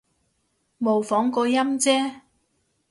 模仿個音啫